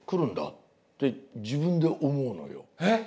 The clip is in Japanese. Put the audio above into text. えっ？